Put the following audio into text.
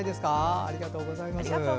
ありがとうございます。